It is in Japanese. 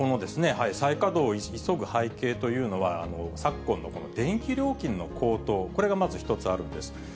再稼働を急ぐ背景というのは、昨今のこの電気料金の高騰、これがまず１つあるんです。